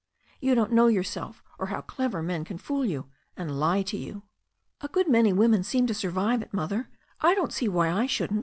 You don*t know yourself, or how clever men can fool you, and lie to you." "A good many women seem to survive it, Mother. I don't see why I shouldn't.